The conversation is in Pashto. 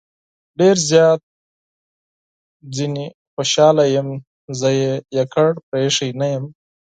ډېر زيات ترې نه خوشحال يم زه يې يوازې پرېښی نه يم